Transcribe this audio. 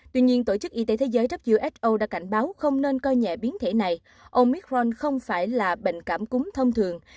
tuy nhiên tổ chức y tế thế giới who đã cảnh báo không nên coi nhẹ biến thể này omicron không phải là bệnh cảm cúng thông thường